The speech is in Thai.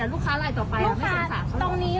เอาแอลกอฮอล์ให้พี่เอาแอลกอฮอล์ให้พี่